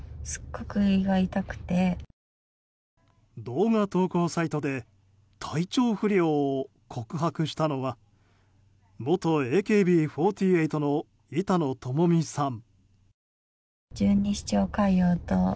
動画投稿サイトで体調不良を告白したのは元ＡＫＢ４８の板野友美さん。